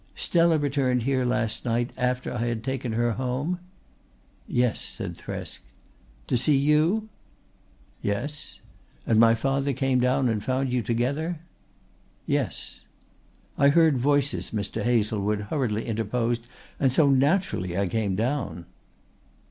"Stella returned here last night after I had taken her home?" "Yes," said Thresk. "To see you?" "Yes." "And my father came down and found you together?" "Yes." "I heard voices," Mr. Hazlewood hurriedly interposed, "and so naturally I came down."